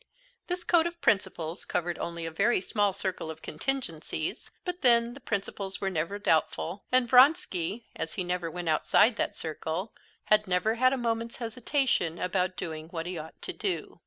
This code of principles covered only a very small circle of contingencies, but then the principles were never doubtful, and Vronsky, as he never went outside that circle, had never had a moment's hesitation about doing what he ought to do.